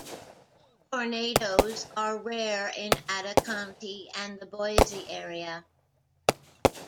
Tornadoes are rare in Ada County and the Boise area.